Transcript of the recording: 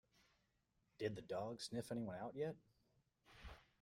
Did the dog sniff anyone out yet?